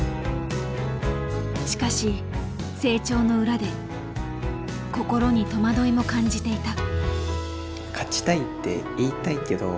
しかし成長の裏で心に戸惑いも感じていた。